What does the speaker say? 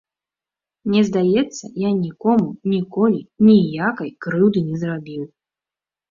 Мне здаецца, я нікому ніколі ніякай крыўды не зрабіў.